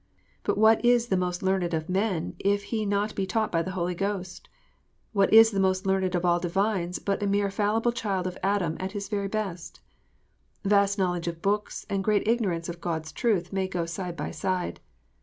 But what is the most learned of men, if he be not taught by the Holy Ghost 1 What is the most learned of all divines but a mere fallible child of Adam at his very best ] Vast knowledge of books and great ignorance of God s truth may go side by side.